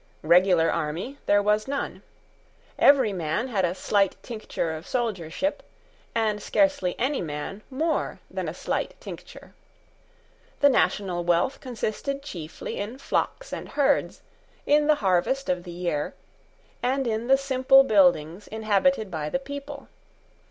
Regular army there was none. Every man had a slight tincture of soldiership, and scarcely any man more than a slight tincture. The national wealth consisted chiefly in flocks and herds, in the harvest of the year, and in the simple buildings inhabited by the people.